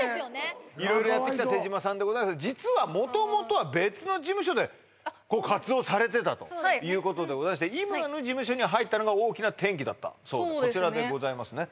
色々やってきた手島さんでございますけど実は元々は別の事務所で活動されてたということでございまして今の事務所に入ったのが大きな転機だったそうですね